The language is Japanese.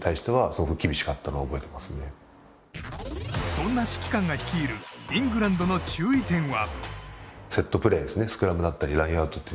そんな指揮官が率いるイングランドの注意点は。